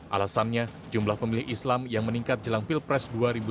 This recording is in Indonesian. alasannya jumlah pemilih islam yang meningkat jelang pilpres dua ribu dua puluh